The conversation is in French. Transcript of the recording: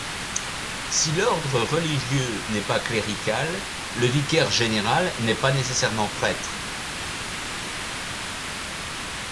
Si l’ordre religieux n’est pas clérical le ‘vicaire général’ n’est pas nécessairement prêtre.